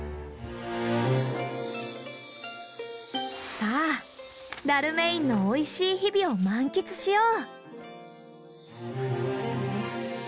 さあダルメインのおいしい日々を満喫しよう！